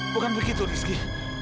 bukan begitu rizky